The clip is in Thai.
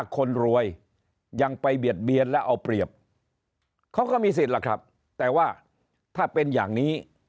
คนรวยยังไปเบียดเบียนและเอาเปรียบเขาก็มีสิทธิ์ล่ะครับแต่ว่าถ้าเป็นอย่างนี้